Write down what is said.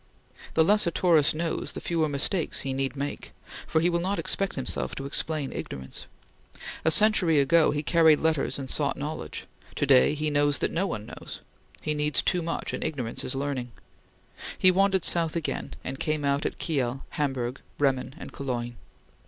The less a tourist knows, the fewer mistakes he need make, for he will not expect himself to explain ignorance. A century ago he carried letters and sought knowledge; to day he knows that no one knows; he needs too much and ignorance is learning. He wandered south again, and came out at Kiel, Hamburg, Bremen, and Cologne.